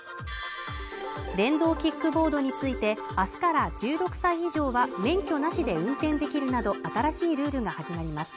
電動キックボードについて、明日から１６歳以上は免許なしで運転できるなど、新しいルールが始まります。